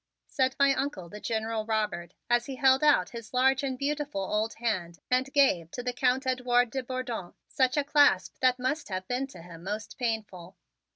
said my Uncle, the General Robert, as he held out his large and beautiful old hand and gave to the Count Edouard de Bourdon such a clasp that must have been to him most painful.